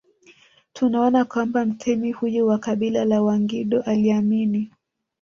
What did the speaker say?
Tunaona kwamba mtemi huyu wa kabila la Wangindo aliamini